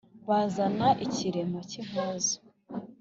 Bazana ikiremo cy'impuzu,